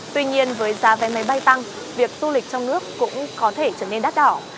tuy nhiên với giá vé máy bay tăng việc du lịch trong nước cũng có thể trở nên đắt đỏ